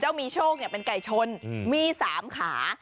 มีโชคเป็นไก่ชนมี๓ขา